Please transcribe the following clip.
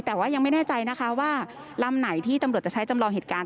แต่ว่ายังไม่แน่ใจนะคะว่าลำไหนที่ตำรวจจะใช้จำลองเหตุการณ์